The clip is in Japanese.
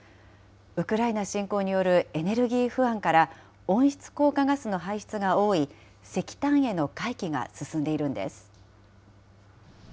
ウクライナ侵攻によるエネルギー不安から温室効果ガスの排出が多い石炭への回帰が進んでいるんです。